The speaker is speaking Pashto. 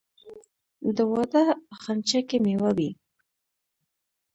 د واده په خنچه کې میوه وي.